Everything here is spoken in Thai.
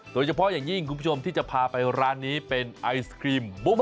โดยเฉพาะอย่างยิ่งคุณผู้ชมที่จะพาไปร้านนี้เป็นไอศครีมบุ้ม